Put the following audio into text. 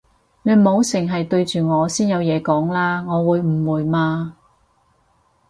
你唔好剩係對住我先有嘢講啦，我會誤會嘛